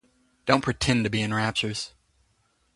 Don't pretend to be in raptures.